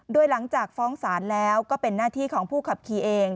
โดยหลังจากฟ้องศาลแล้วก็เป็นหน้าที่ของผู้ขับขี่เอง